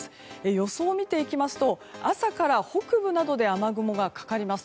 予想を見ていきますと朝から北部などで雨雲がかかります。